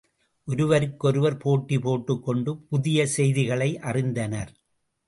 ஒருவருக்கு ஒருவர் போட்டி போட்டுக் கொண்டு புதிய செய்திகளை அறிந்தனர்.